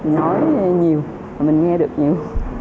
mình nói nhiều mình nghe được nhiều